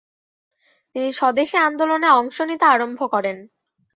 তিনি স্বদেশী আন্দোলনে অংশ নিতে আরম্ভ করেন।